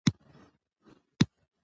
منګل د پښتنو یو لوی او غیرتي قوم دی.